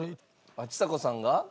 あっちさ子さんが。